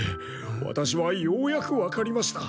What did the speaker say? ワタシはようやくわかりました。